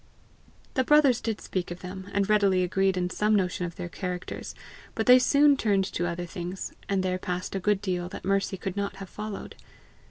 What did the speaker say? The brothers did speak of them, and readily agreed in some notion of their characters; but they soon turned to other things, and there passed a good deal that Mercy could not have followed.